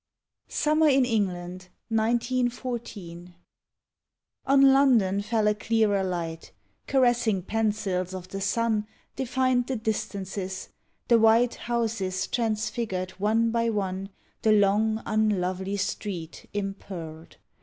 SUMMER IN ENGLAND, 1914 On London fell a clearer light; Caressing pencils of the sun Defined the distances, the white Houses transfigured one by one, The "long, unlovely street" impearled.